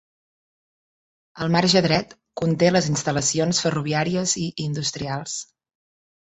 El marge dret conté les instal·lacions ferroviàries i industrials.